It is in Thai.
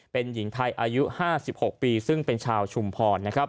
เป็นหญิงไทยอายุ๕๖ปีซึ่งเป็นชาวชุมพรนะครับ